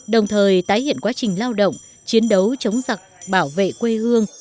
đồng thời tái hiện quá trình lao động chiến đấu chống giặc bảo vệ quê hương